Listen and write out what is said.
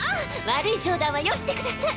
悪い冗談はよしてください。